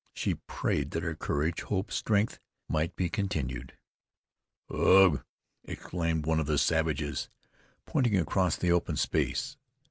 She prayed that her courage, hope, strength, might be continued. "Ugh!" exclaimed one of the savages, pointing across the open space.